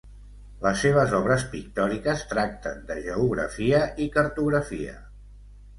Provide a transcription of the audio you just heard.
Les seves obres pictòriques tracten de geografia i cartografia.